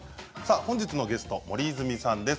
本日のゲスト、森泉さんです。